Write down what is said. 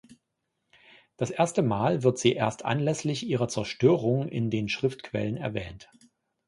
Das erste Mal wird sie erst anlässlich ihrer Zerstörung in den Schriftquellen erwähnt.